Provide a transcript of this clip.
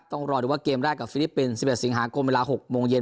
ต้องรอดูว่าเกมแรกกับฟิลิปปินส์๑๑สิงหาคมเวลา๖โมงเย็น